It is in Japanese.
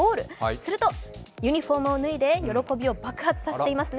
するとユニフォームを脱いで喜びを爆発させていますね。